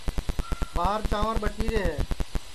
ٻار چانٚور ٻٹیرے ہے